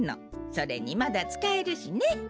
それにまだつかえるしね。